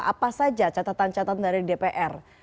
apa saja catatan catatan dari dpr